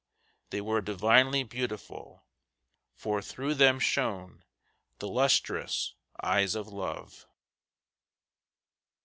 they were divinely beautiful, For through them shone the lustrous eyes of Love.